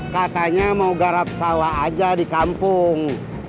katanya mau garap sawah aja di kampung